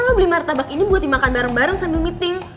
kalau beli martabak ini buat dimakan bareng bareng sambil meeting